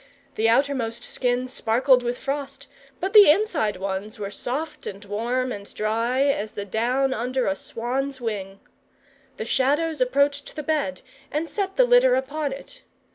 The outermost skin sparkled with frost, but the inside ones were soft and warm and dry as the down under a swan's wing. The Shadows approached the bed, and set the litter upon it.